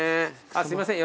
あっすいません。